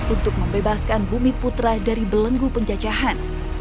untuk membebaskan bumi putra dari belenggu penjajahan